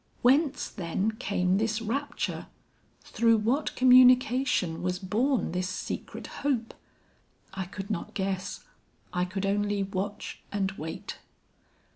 Whence then came this rapture? Through what communication was born this secret hope? I could not guess, I could only watch and wait.